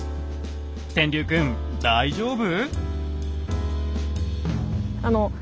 天龍くん大丈夫？